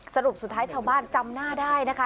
สรุปสุดท้ายชาวบ้านจำหน้าได้นะคะ